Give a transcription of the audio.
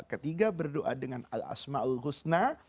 ketiga berdoa dengan al asma'ul husna